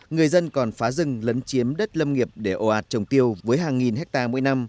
người dân còn phá rừng lấn chiếm đất lâm nghiệp để ồ ạt trồng tiêu với hàng nghìn hectare mỗi năm